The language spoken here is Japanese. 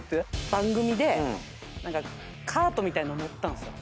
番組でカートみたいなの乗ったんですよ。